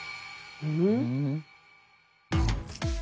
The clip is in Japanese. うん？